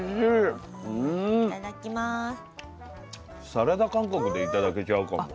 サラダ感覚で頂けちゃうかも。